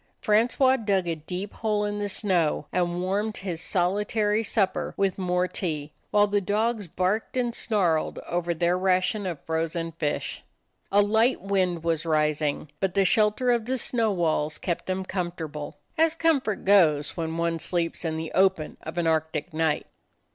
Francois dug a deep hole in the snow, and warmed his solitary supper with more tea, while the dogs barked and snarled over their ration of frozen fish. A light wind was rising, but the shelter of the snow walls kept them comfortable, as comfort goes when one sleeps in the open of an Arctic night.